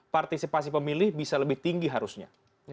partisipasi pemilih bisa lebih tinggi harusnya